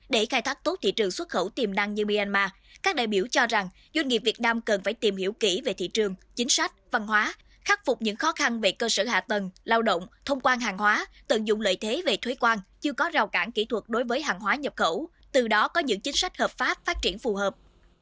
để khai thác tốt thị trường xuất khẩu tiềm năng như myanmar các đại biểu cho rằng doanh nghiệp việt nam cần phải tìm hiểu kỹ về thị trường chính sách văn hóa khắc phục những khó khăn về cơ sở hạ tầng lao động thông quan hàng hóa tận dụng lợi thế về thuế quan chưa có rào cản kỹ thuật đối với hàng hóa nhập khẩu từ đó có những chính sách hợp pháp phát triển phù hợp